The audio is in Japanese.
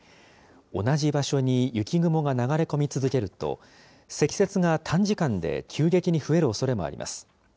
同じ場所に雪雲が流れ込み続けると、積雪が短時間で急激に増えるおそれもあります。